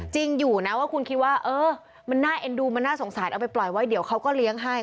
จริงอยู่นะว่าคุณคิดว่าเออมันน่าเอ็นดูมันน่าสงสารเอาไปปล่อยไว้เดี๋ยวเขาก็เลี้ยงให้